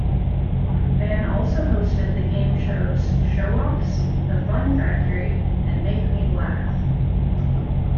Van also hosted the game shows "Showoffs"," The Fun Factory", and "Make Me Laugh".